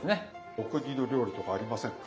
お国の料理とかありませんか？